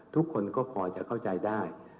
ทุกคนก็พอจะเข้าใจได้